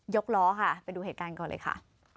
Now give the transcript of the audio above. กล้อค่ะไปดูเหตุการณ์ก่อนเลยค่ะ